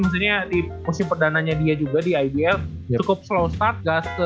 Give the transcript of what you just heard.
maksudnya di musim perdananya dia juga di ibl cukup flow start gas